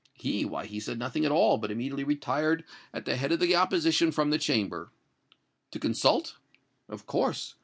"He why he said nothing at all, but immediately retired at the head of the opposition from the Chamber." "To consult?" "Of course.